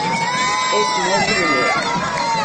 És molt groller.